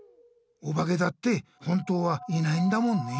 おばけだって本当はいないんだもんね。